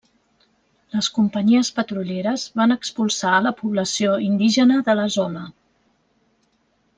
Les companyies petrolieres van expulsar a la població indígena de la zona.